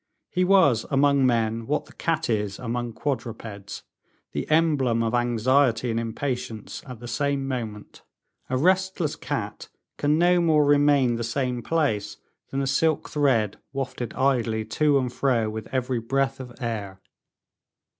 He was among men what the cat is among quadrupeds, the emblem of anxiety and impatience, at the same moment. A restless cat can no more remain the same place than a silk thread wafted idly to and fro with every breath of air.